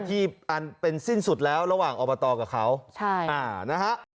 อันเป็นสิ้นสุดแล้วระหว่างอบตกับเขาใช่อ่านะฮะ